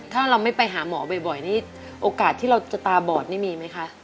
ถ้าเราไม่ไปหาหมอบ่อยนี่โอกาสที่เราจะตาบอดนี่มีไหมคะ